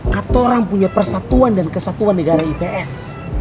katorang punya persatuan dan kesatuan negara ips